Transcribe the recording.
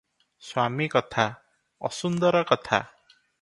ସ୍ୱାମୀ କଥା- ଅସୁନ୍ଦର କଥା ।